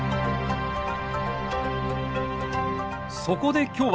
そこで今日は！